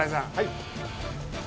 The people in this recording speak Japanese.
はい。